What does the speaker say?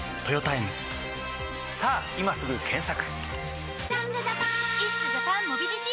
さぁ今すぐ検索！